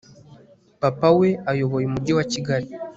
papa we ayoboye umujyi wa Kigali